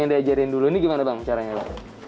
ini diajarin dulu ini gimana bang caranya